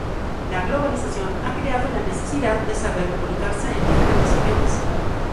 La globalización ha creado la necesidad de saber comunicarse en diferentes idiomas.